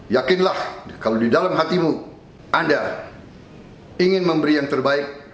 yakinlah kalau di dalam hatimu anda ingin memberi yang terbaik